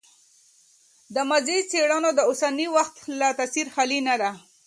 د ماضي څېړنه د اوسني وخت له تاثیره خالي نه ده.